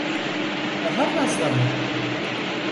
Daha fazla mı?